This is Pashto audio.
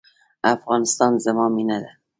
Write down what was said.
افغانستان زما مینه ده؟